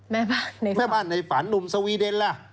แม่บ้านในฝันหนุ่มสวีเดนล่ะ